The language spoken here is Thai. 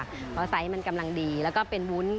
เพราะไซส์มันกำลังดีแล้วก็เป็นวุ้น